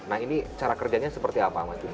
nah ini cara kerjanya seperti apa mas juni